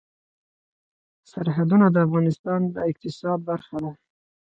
سرحدونه د افغانستان د اقتصاد برخه ده.